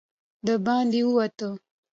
د باندې ووت.